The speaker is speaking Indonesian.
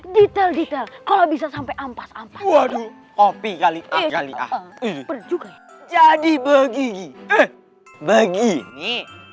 detail detail kalau bisa sampai ampas ampas kopi kali kali jadi begini